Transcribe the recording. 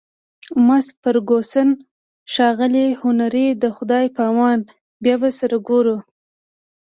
مس فرګوسن: ښاغلی هنري، د خدای په امان، بیا به سره ګورو.